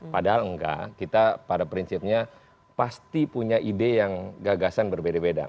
padahal enggak kita pada prinsipnya pasti punya ide yang gagasan berbeda beda